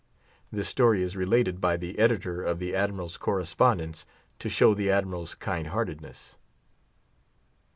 This story is related by the editor of the Admiral's "Correspondence," to show the Admiral's kindheartedness.